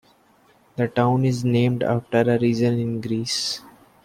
The town is named after a region in Greece.